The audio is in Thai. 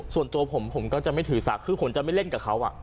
คนของผมก็จะไม่ถือสักคือจะไม่เล่นกับเขาอ่ะ